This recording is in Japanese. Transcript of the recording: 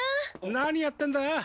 何やってんだ？